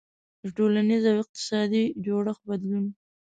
• د ټولنیز او اقتصادي جوړښت بدلون.